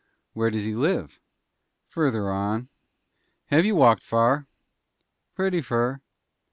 "Where does he live?" "Further on." "Have you walked fur?" "Pretty fur."